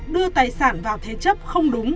đưa tài sản vào thế chấp không đúng